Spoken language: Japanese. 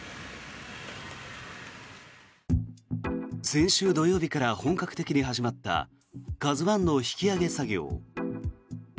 先週土曜日から本格的に始まった「ＫＡＺＵ１」の引き揚げ作業。